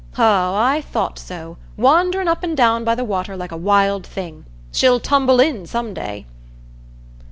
Ah, I thought so,—wanderin' up an' down by the water, like a wild thing: She'll tumble in some day."